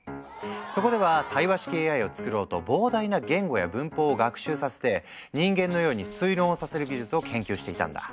そこでは対話式ＡＩを作ろうと膨大な言語や文法を学習させて人間のように推論をさせる技術を研究していたんだ。